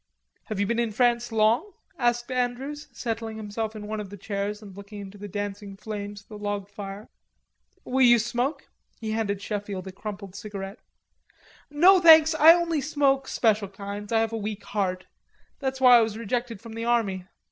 "Have you been in France long?" asked Andrews settling himself in one of the chairs and looking into the dancing flames of the log fire. "Will you smoke?" He handed Sheffield a crumpled cigarette. "No, thanks, I only smoke special kinds. I have a weak heart. That's why I was rejected from the army....